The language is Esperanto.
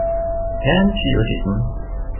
Jen ĉio, ĝis nun.